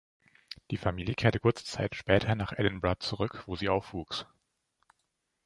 Die Familie kehrte kurze Zeit später nach Edinburgh zurück, wo sie aufwuchs.